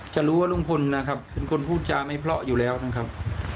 จะรู้ว่าลุงพลนะครับเป็นคนพูดจาไม่เพราะอยู่แล้วนะครับ